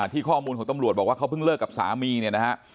ข้อมูลของตำรวจบอกว่าเขาเพิ่งเลิกกับสามีเนี่ยนะฮะ